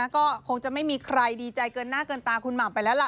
ก็คงจะไม่มีใครดีใจเกินหน้าเกินตาคุณหม่ำไปแล้วล่ะ